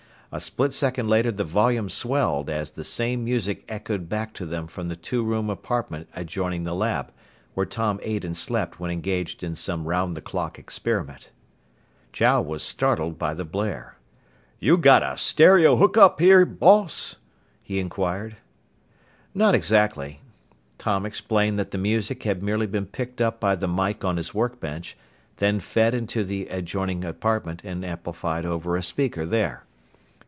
A split second later the volume swelled as the same music echoed back to them from the two room apartment adjoining the lab, where Tom ate and slept when engaged in some round the clock experiment. Chow was startled by the blare. "You got a stereo hookup here, boss?" he inquired. "Not exactly." Tom explained that the music had merely been picked up by the mike on his workbench, then fed into the adjoining apartment and amplified over a speaker there.